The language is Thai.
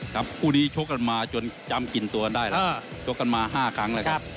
ครับคู่นี้ชกกันมาจนจำกินตัวได้แล้วเออชกกันมาห้าครั้งเลยครับครับ